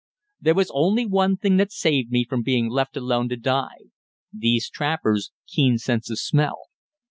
There was only one thing that saved me from being left alone to die these trappers' keen sense of smell.